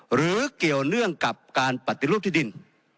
หรือเกี่ยวเนื่องกับการปฏิรูปที่ดิน